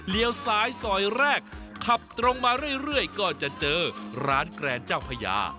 เหลี่ยวสายสอยแรกขับตรงมาเรื่อยก็จะเจอร้านแกรนเจ้าพระยา